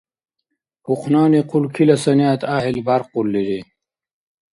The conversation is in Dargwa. Ухънани хъулкила санигӀят гӀяхӀил бяркъурлири.